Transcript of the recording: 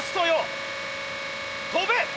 跳べ！